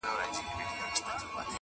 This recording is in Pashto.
ړانده وګړي د دلبرو قدر څه پیژني!.